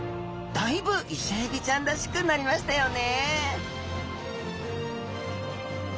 だいぶイセエビちゃんらしくなりましたよね